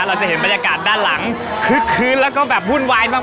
เราจะเห็นบรรยากาศด้านหลังคึกคืนและหุ้นวายมาก